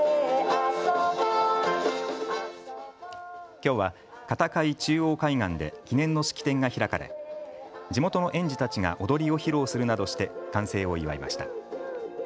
きょうは片貝中央海岸で記念の式典が開かれ地元の園児たちが踊りを披露するなどして完成を祝いました。